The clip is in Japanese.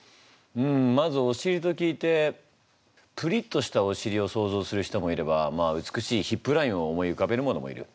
んまずおしりと聞いてプリッとしたおしりを想像する人もいればまあ美しいヒップラインを思い浮かべる者もいる。